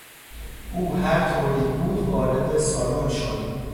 او هر طوری بود وارد سالن شد.